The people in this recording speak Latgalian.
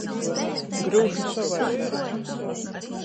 Gryuši savaidēt.